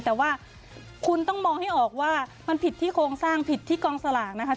แต่ว่าคุณต้องมองให้ออกว่ามันผิดที่โครงสร้างผิดที่กองสลากนะคะ